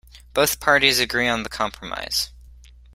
Both parties agree on the compromise.